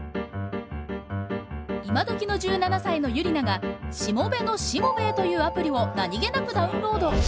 今どきの１７歳のユリナが「しもべのしもべえ」というアプリを何気なくダウンロード。